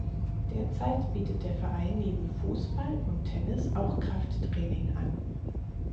Derzeit bietet der Verein neben Fußball und Tennis auch Krafttraining an.